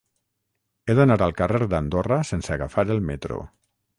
He d'anar al carrer d'Andorra sense agafar el metro.